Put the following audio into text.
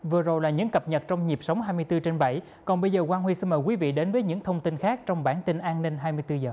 vừa rồi là những cập nhật trong nhịp sống hai mươi bốn trên bảy còn bây giờ quang huy xin mời quý vị đến với những thông tin khác trong bản tin an ninh hai mươi bốn h